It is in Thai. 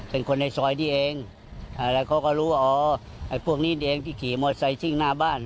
เป็นคนในซอยนี้เองแล้วเขาก็รู้ว่าอ๋อไอ้พวกนี้เองที่ขี่มอไซคิ่งหน้าบ้าน